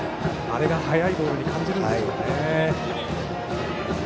あれが速いボールに感じるんでしょうね。